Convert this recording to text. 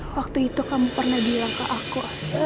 waktu itu kamu pernah bilang ke aku